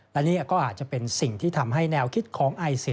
และนี่ก็อาจจะเป็นสิ่งที่ทำให้แนวคิดของไอซิล